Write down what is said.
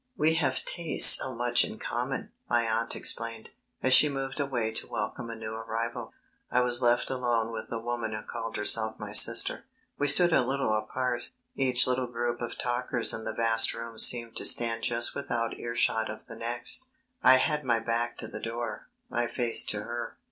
"We have tastes so much in common," my aunt explained, as she moved away to welcome a new arrival. I was left alone with the woman who called herself my sister. We stood a little apart. Each little group of talkers in the vast room seemed to stand just without earshot of the next. I had my back to the door, my face to her.